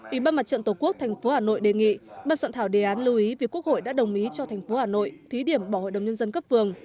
ủy ban mặt trận tổ quốc thành phố hà nội đề nghị bàn soạn thảo đề án lưu ý việc quốc hội đã đồng ý cho thành phố hà nội thí điểm bỏ hội đồng nhân dân cấp vườn